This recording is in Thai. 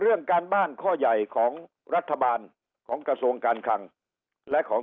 เรื่องการบ้านข้อใหญ่ของรัฐบาลของกระทรวงการคังและของ